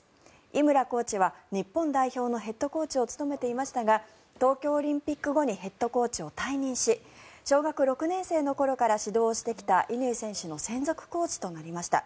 井村コーチは日本代表のヘッドコーチを務めていましたが東京オリンピック後にヘッドコーチを退任し小学６年生の頃から指導してきた乾選手の専属コーチとなりました。